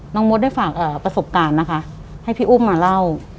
มดได้ฝากประสบการณ์นะคะให้พี่อุ้มมาเล่า